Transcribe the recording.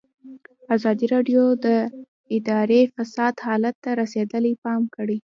ازادي راډیو د اداري فساد حالت ته رسېدلي پام کړی.